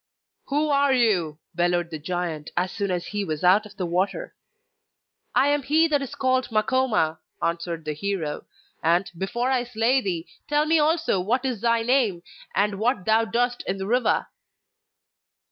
'Who are you?' bellowed the giant, as soon as he was out of the water. 'I am he that is called Makoma,' answered the hero; 'and, before I slay thee, tell me also what is thy name and what thou doest in the river?